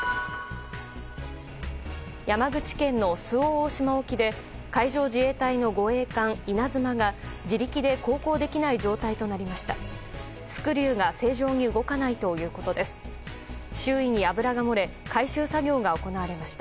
山口県の周防大島沖で海上自衛隊の護衛艦「いなづま」が自力で航行できない状態となりました。